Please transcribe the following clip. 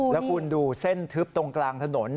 แล้วคุณดูเส้นทึบตรงกลางถนน